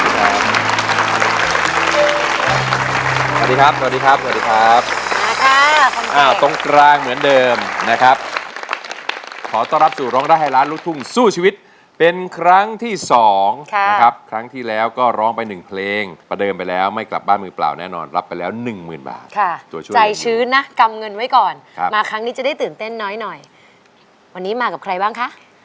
สวัสดีครับสวัสดีครับสวัสดีครับมาค่ะอ้าวตรงกลางเหมือนเดิมนะครับขอต้อนรับสู่ร้องได้ให้ล้านลูกทุ่งสู้ชีวิตเป็นครั้งที่สองนะครับครั้งที่แล้วก็ร้องไปหนึ่งเพลงประเดิมไปแล้วไม่กลับบ้านมือเปล่าแน่นอนรับไปแล้วหนึ่งหมื่นบาทค่ะตัวช่วยใจชื้นนะกำเงินไว้ก่อนมาครั้งนี้จะได้ตื่นเต้นน้อยหน่อยวันนี้มากับใครบ้างคะ